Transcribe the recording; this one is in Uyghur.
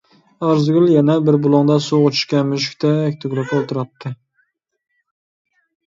ئارزۇگۈل يەنە بىر بۇلۇڭدا سۇغا چۈشكەن مۈشۈكتەك تۈگۈلۈپ ئولتۇراتتى.